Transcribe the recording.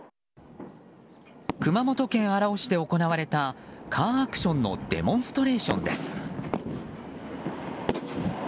熊本県荒尾市で行われたカーアクションのデモンストレーションです。